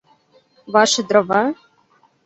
— Ваши дрова?